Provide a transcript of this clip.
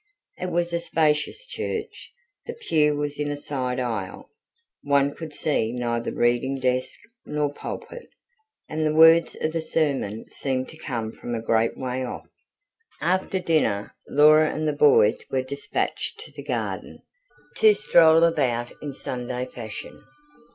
It was a spacious church; the pew was in a side aisle; one could see neither reading desk nor pulpit; and the words of the sermon seemed to come from a great way off. After dinner, Laura and the boys were dispatched to the garden, to stroll about in Sunday fashion.